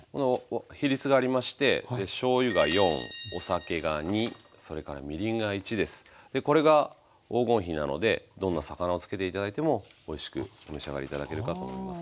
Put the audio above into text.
比率がありましてでこれが黄金比なのでどんな魚を漬けて頂いてもおいしくお召し上がり頂けるかと思います。